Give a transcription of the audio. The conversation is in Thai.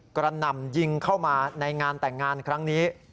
กระหน่ำยิงเข้ามาในงานแต่งงานครั้งนี้